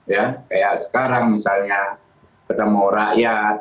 ya kayak sekarang misalnya ketemu rakyat